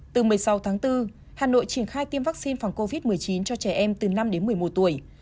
từ một mươi sáu tháng bốn hà nội triển khai tiêm vaccine phòng covid một mươi chín cho trẻ em từ năm đến một mươi một tuổi